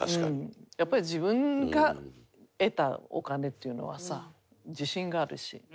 やっぱり自分が得たお金っていうのはさ自信があるし。